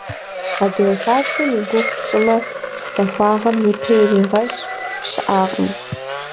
Адыгэ хабзэм и гугъу пщӀымэ – захуагъэм и пэ иригъэщ щыӀакъым.